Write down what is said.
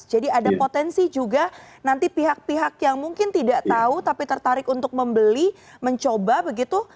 ada potensi juga nanti pihak pihak yang mungkin tidak tahu tapi tertarik untuk membeli mencoba begitu